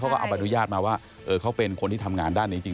ก็เอาใบอนุญาตมาว่าเขาเป็นคนที่ทำงานด้านนี้จริง